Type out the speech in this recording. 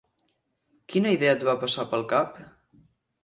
Quina idea et va passar pel cap?